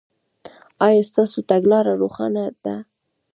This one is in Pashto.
ایا ستاسو تګلاره روښانه ده؟